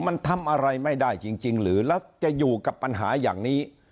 มันทำอะไรไม่ได้จริงหรือแล้วจะอยู่กับปัญหาอย่างนี้